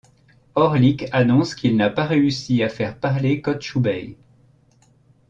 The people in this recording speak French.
Orlik annonce qu'il n'a pas réussi à faire parler Kotchubeï.